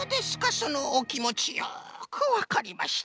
そのおきもちよくわかりました。